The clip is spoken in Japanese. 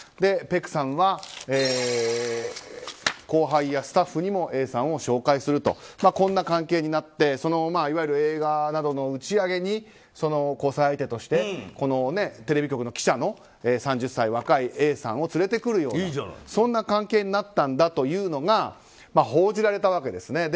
ペクさんは後輩やスタッフにもＡさんを紹介するとこんな関係になっていわゆる映画などの打ち上げに交際相手としてテレビ局の記者の３０歳の若いＡさんを連れてくるような関係になったんだというのが報じられたわけですね。